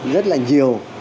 rất là nhiều